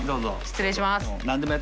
失礼します。